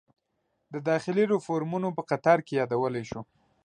د داخلي ریفورومونو په قطار کې یادولی شو.